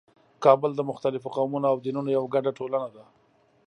کابل د مختلفو قومونو او دینونو یوه ګډه ټولنه ده.